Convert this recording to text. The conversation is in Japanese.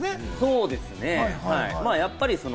そうですね。